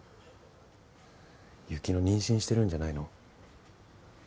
雪乃妊娠してるんじゃないの？